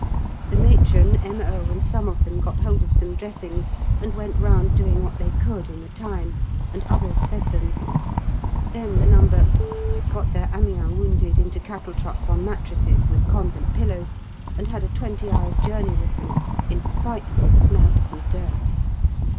The matron, M.O., and some of them got hold of some dressings and went round doing what they could in the time, and others fed them. Then the No. got their Amiens wounded into cattle trucks on mattresses, with Convent pillows, and had a twenty hours' journey with them in frightful smells and dirt.